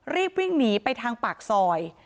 รีบวิ่งหนีไปทางปากซอย